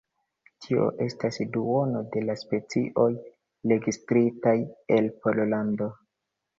Tio estas duono de la specioj registritaj en Pollando.